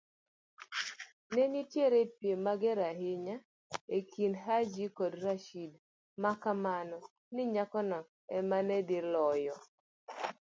Nenitie piem mager ahinya ekind Haji kod Rashid, makmana ni nyakono ema nedhi loyo.